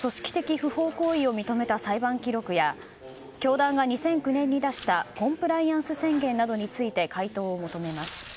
不法行為を認めた裁判記録や教団が２００９年に出したコンプライアンス宣言などについて回答を求めます。